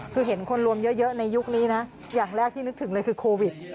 คือเห็นคนรวมเยอะในยุคนี้นะอย่างแรกที่นึกถึงเลยคือโควิด